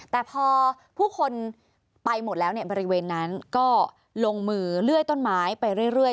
แต่พอผู้คนไปหมดแล้วเนี่ยบริเวณนั้นก็ลงมือเลื่อยต้นไม้ไปเรื่อย